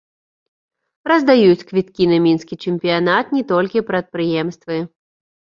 Раздаюць квіткі на мінскі чэмпіянат не толькі прадпрыемствы.